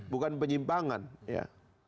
bukan penyimpangan ya